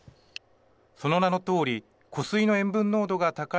その名のとおり湖水の塩分濃度が高い